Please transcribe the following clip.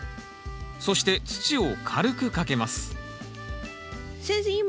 そして土を軽くかけます先生